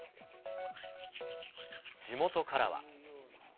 地元からは。